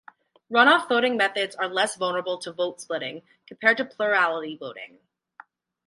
Runoff voting methods are less vulnerable to vote splitting compared to plurality voting.